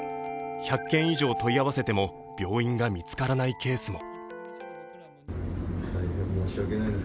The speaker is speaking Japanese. １００件以上問い合わせても病院が見つからないケースも。